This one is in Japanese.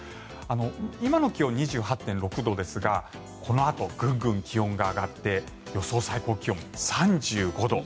今の気温２８．６度ですがこのあとぐんぐん気温が上がって予想最高気温３５度。